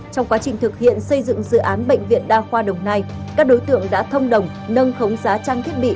trong quá trình thực hiện xây dựng dự án bệnh viện đa khoa đồng nai các đối tượng đã thông đồng nâng khống giá trang thiết bị